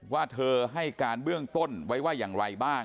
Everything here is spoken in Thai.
ว่าเธอให้การเบื้องต้นไว้ว่าอย่างไรบ้าง